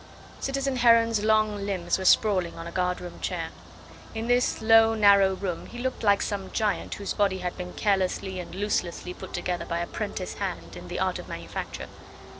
Citizen Heron's long limbs were sprawling on a guard room chair. In this low narrow room he looked like some giant whose body had been carelessly and loosely put together by a 'prentice hand in the art of manufacture.